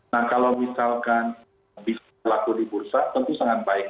nah kalau misalkan bisa berlaku di bursa tentu sangat baik